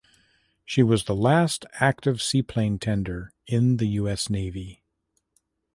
She was the last active seaplane tender in the U. S. Navy.